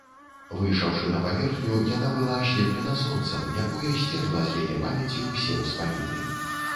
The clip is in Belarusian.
Выйшаўшы на паверхню, яна была аслеплена сонцам, якое сцерла з яе памяці ўсе ўспаміны.